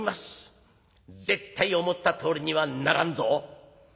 「絶対思ったとおりにはならんぞ」。